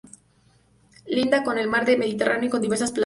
Linda con el Mar Mediterráneo y con diversas playas.